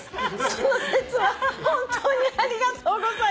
「その節は本当にありがとうございました」